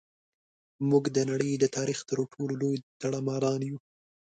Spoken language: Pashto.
موږ د نړۍ د تاریخ تر ټولو لوی داړه ماران یو.